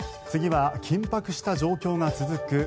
次は、緊迫した状況が続く